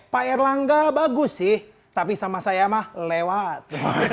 pak erlangga bagus sih tapi sama saya mah lewat